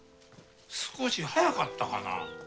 少し早かったかな。